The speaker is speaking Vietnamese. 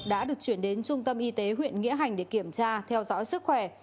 đã được chuyển đến trung tâm y tế huyện nghĩa hành để kiểm tra theo dõi sức khỏe